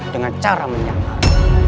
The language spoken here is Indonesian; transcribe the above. dengan cara menyakal